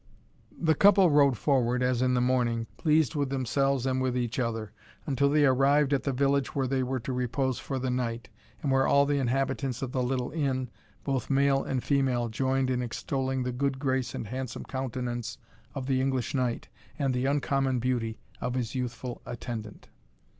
The couple rode forward as in the morning, pleased with themselves and with each other, until they arrived at the village where they were to repose for the night, and where all the inhabitants of the little inn, both male and female, joined in extolling the good grace and handsome countenance of the English knight, and the uncommon beauty of his youthful attendant.